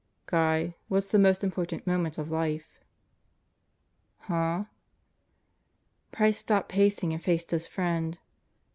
"Guy, what's the most important moment of life?" "Huh?" Price stopped pacing and faced his friend.